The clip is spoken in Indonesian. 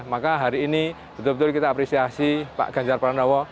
maka hari ini betul betul kita apresiasi pak ganjar pranowo